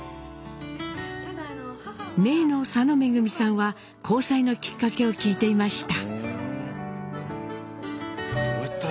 めいの佐野恵さんは交際のきっかけを聞いていました。